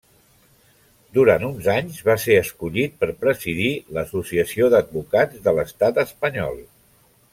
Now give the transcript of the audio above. Durant uns anys va ser escollit per presidir l'Associació d'Advocats de l'Estat espanyol.